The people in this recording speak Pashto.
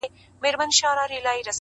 ککرۍ يې دي رېبلي دې بدرنگو ککریو ـ